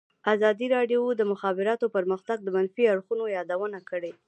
ازادي راډیو د د مخابراتو پرمختګ د منفي اړخونو یادونه کړې.